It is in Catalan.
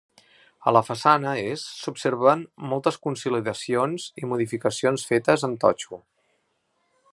A la façana est s'observen moltes consolidacions i modificacions fetes amb totxo.